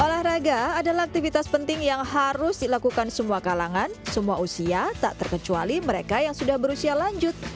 olahraga adalah aktivitas penting yang harus dilakukan semua kalangan semua usia tak terkecuali mereka yang sudah berusia lanjut